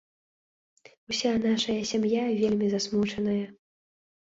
Уся нашая сям'я вельмі засмучаная.